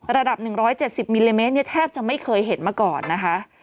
ระดับหนึ่งร้อยเจ็ดสิบมิลลิเมตรเนี้ยแทบจะไม่เคยเห็นมาก่อนนะคะ